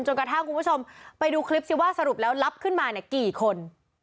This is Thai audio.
กระทั่งคุณผู้ชมไปดูคลิปซิว่าสรุปแล้วรับขึ้นมาเนี่ยกี่คน